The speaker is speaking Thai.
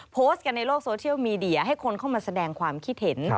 โพสต์กันในโลกโซเชียลมีเดียให้คนเข้ามาแสดงความคิดเห็น